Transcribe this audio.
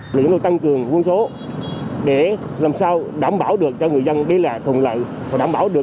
chúng tôi tăng cường nguồn số để làm sao đảm bảo được cho người dân đây là thùng lợi và đảm bảo được